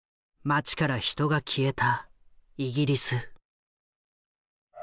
街から人が消えたイギリス。